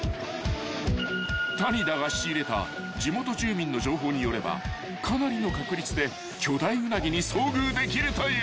［谷田が仕入れた地元住民の情報によればかなりの確率で巨大ウナギに遭遇できるという］